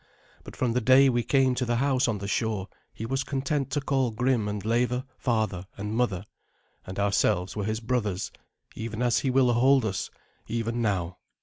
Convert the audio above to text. But from the day we came to the house on the shore he was content to call Grim and Leva father and mother, and ourselves were his brothers, even as he will hold us even now.